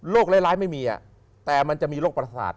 โรคร้ายไม่มีแต่มันจะมีโรคปราศาสตร์